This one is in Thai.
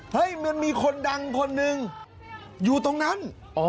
มันมีคนดังคนหนึ่งอยู่ตรงนั้น